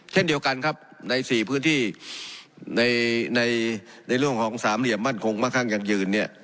เช่นเดียวกันครับใน๔พื้นที่ในเรื่องของสามเหลี่ยมมั่นคงมั่งข้างยั่งยืนเนี่ย